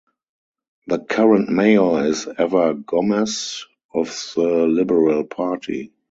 The current mayor is Ever Gomez of the liberal party.